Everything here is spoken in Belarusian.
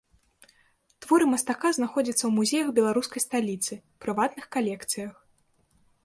Творы мастака знаходзяцца ў музеях беларускай сталіцы, прыватных калекцыях.